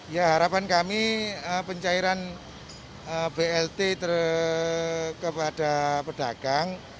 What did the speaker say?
ya harapan kami pencairan blt kepada pedagang